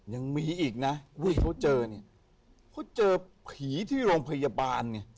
ยังมีอีกนะที่เขาเจอเนี่ยเขาเจอผีที่โรงพยาบาลไง